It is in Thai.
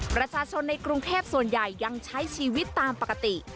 ประชาชนในกรุงเทพส่วนใหญ่ยังใช้ชีวิตตามปกติ